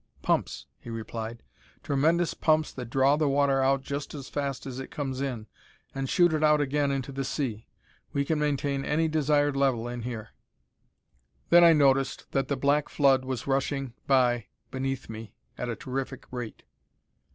"Pumps," he replied. "Tremendous pumps that draw the water out just as fast as it comes in, and shoot it out again into the sea. We can maintain any desired level in here." Then I noticed that the black flood was rushing by beneath me at a terrific rate.